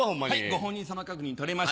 ご本人さま確認取れました。